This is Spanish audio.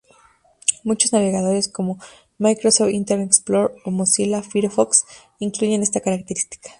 Muchos navegadores como Microsoft Internet Explorer o Mozilla Firefox incluyen esta característica.